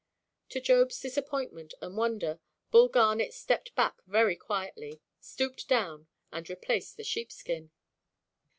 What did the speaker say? To Jobʼs disappointment and wonder, Bull Garnet stepped back very quietly, stooped down, and replaced the sheepskin.